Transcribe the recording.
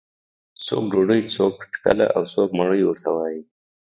څوک ډوډۍ، څوک ټکله او څوک مړۍ ورته وایي.